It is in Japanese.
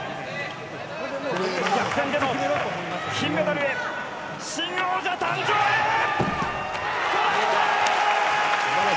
逆転での金メダルへ、新王者誕生か？